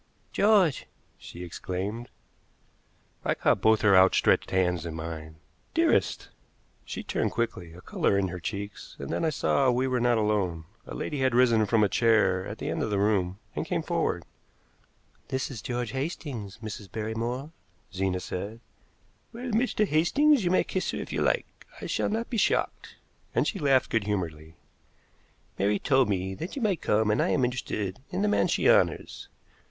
"George!" she exclaimed. I caught both her outstretched hands in mine. "Dearest!" She turned quickly, a color in her cheeks, and then I saw that we were not alone. A lady had risen from a chair at the end of the room, and came forward. "This is George Hastings, Mrs. Barrymore," Zena said. "Well, Mr. Hastings, you may kiss her if you like. I shall not be shocked," and she laughed good humoredly. "Mary told me that you might come, and I am interested in the man she honors.